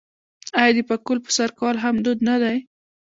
آیا د پکول په سر کول هم دود نه دی؟